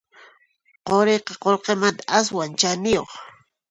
Quriqa qullqimanta aswan chaniyuq